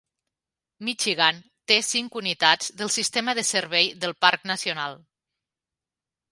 Michigan té cinc unitats del sistema de Servei del Parc Nacional.